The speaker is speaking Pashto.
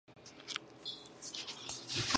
دا زموږ د ټولو ګډه وجیبه ده.